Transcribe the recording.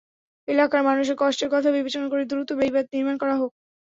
এলাকার মানুষের কষ্টের কথা বিবেচনা করে দ্রুত বেড়িবাঁধ নির্মাণ করা হোক।